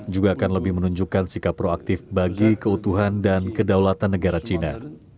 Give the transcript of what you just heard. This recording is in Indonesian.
juga akan lebih menunjukkan sikap proaktif bagi keutuhan dan kedaulatan negara cina